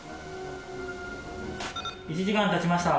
１時間経ちました。